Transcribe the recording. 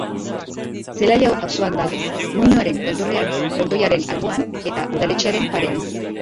Zelaia auzoan dago, muinoaren tontorrean, frontoiaren alboan eta udaletxearen parean.